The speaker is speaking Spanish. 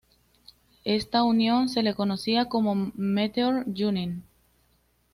Esta unión se le conocía como Meteor-Junín.